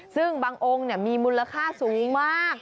ซึ่งบางองค์มีมูลค่าสูงมาก